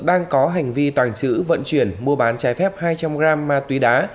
đang có hành vi toàn chữ vận chuyển mua bán trái phép hai trăm linh g ma túy đá